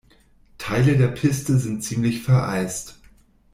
Teile der Piste sind ziemlich vereist.